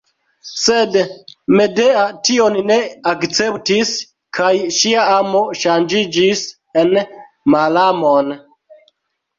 Sed Medea tion ne akceptis kaj ŝia amo ŝanĝiĝis en malamon.